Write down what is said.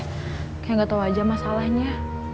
kayak enggak tau aja masalahnya